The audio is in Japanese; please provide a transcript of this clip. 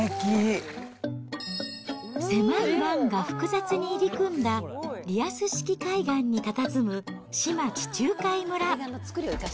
狭い湾が複雑に入り組んだ、リアス式海岸にたたずむ志摩地中海村。